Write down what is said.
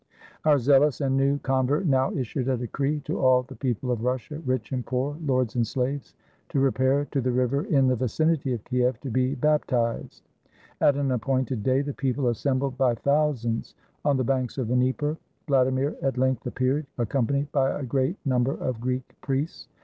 Our zealous and new convert now issued a decree to all the people of Russia, rich and poor, lords and slaves, to repair to the river in the vicinity of Kiev to be bap tized. At an appointed day the people assembled by 32 VLADIMIR IN SEARCH OF A RELIGION thousands on the banks of the Dnieper. Vladimir at length appeared, accompanied by a great number of Greek priests.